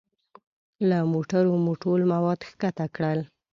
له موټرو مو ټول مواد ښکته کړل.